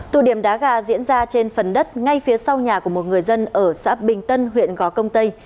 tụ điểm đá gà diễn ra trên phần đất ngay phía sau nhà của một người dân ở xã bình tân huyện gò công tây